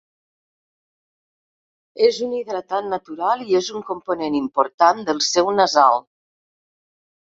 És un hidratant natural i és un component important del seu nasal.